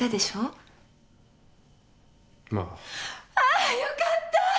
あーよかった！